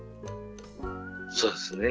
そうですね。